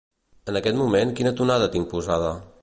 En aquest moment quina tonada tinc posada?